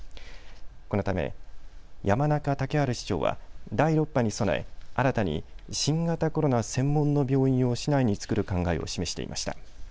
このため山中竹春市長は第６波に備え新たに新型コロナ専門の病院を市内に作る考えを示していました。